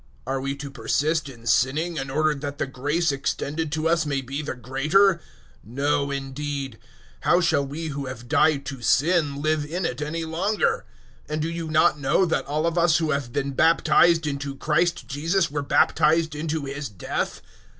Are we to persist in sinning in order that the grace extended to us may be the greater? 006:002 No, indeed; how shall we who have died to sin, live in it any longer? 006:003 And do you not know that all of us who have been baptized into Christ Jesus were baptized into His death?